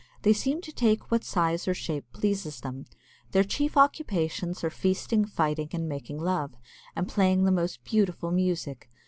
They seem to take what size or shape pleases them. Their chief occupations are feasting, fighting, and making love, and playing the most beautiful music.